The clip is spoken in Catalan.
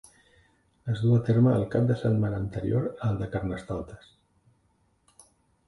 Es du a terme el cap de setmana anterior al de Carnestoltes.